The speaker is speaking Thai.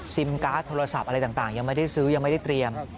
การ์ดโทรศัพท์อะไรต่างยังไม่ได้ซื้อยังไม่ได้เตรียม